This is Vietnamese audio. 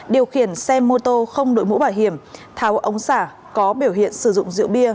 điều khiển xe mô tô không đội mũ bảo hiểm tháo ống xả có biểu hiện sử dụng rượu bia